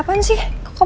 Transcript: apaan sih kok kamu